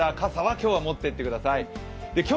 ですから傘は今日は持っていってください。